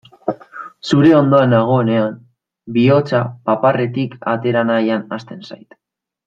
Zure ondoan nagoenean bihotza paparretik atera nahian hasten zait.